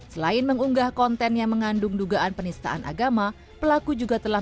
selain mengunggah konten yang mengandung dugaan penistaan agama pelaku juga telah